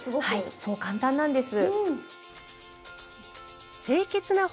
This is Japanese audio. はいそう簡単なんです。